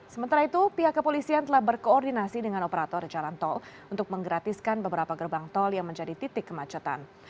sementara itu pihak kepolisian telah berkoordinasi dengan operator jalan tol untuk menggratiskan beberapa gerbang tol yang menjadi titik kemacetan